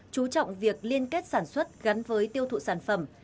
chú trọng việc liên kết sản xuất gắn với tiêu thụ sản phẩm